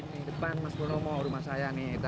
nah ini depan mas bonomo rumah saya nih